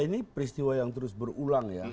ini peristiwa yang terus berulang ya